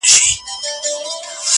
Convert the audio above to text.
د غله ځاى په غره کي نه پيدا کېږي.